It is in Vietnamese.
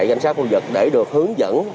cảnh sát khu vực để được hướng dẫn